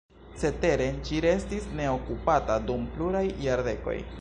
Cetere ĝi restis neokupata dum pluraj jardekoj.